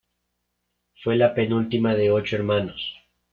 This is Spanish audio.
Fue la penúltima de ocho hermanos.